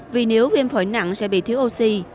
vì nếu viêm phổi nặng sẽ bị thiếu oxy